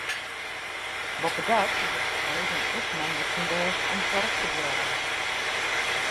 Boppedat docht Sweden ek minder syn bêst om foarop te bliuwen.